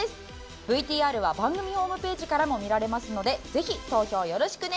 ＶＴＲは番組ホームページからも見られますのでぜひ投票よろしくね！